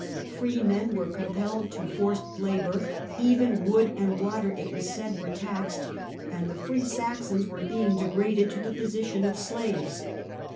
Free men were compelled to forced labour; even wood and water, it was said, were taxed, and the free Saxons were being degraded to the position THE WAR OF INVESTITURE 81 of slaves.